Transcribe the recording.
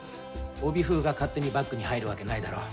帯封が勝手にバッグに入るわけないだろ。